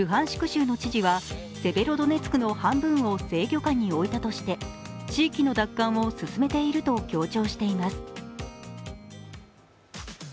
州の知事はセベロドネツクの半分を制御下に置いたとして地域の奪還を進めていると強調しています。